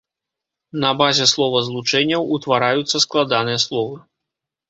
На базе словазлучэнняў утвараюцца складаныя словы.